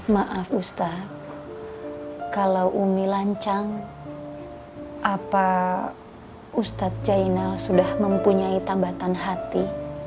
maaf ustadz kalau umi lancang apa ustadz jainal sudah mempunyai tambatan hati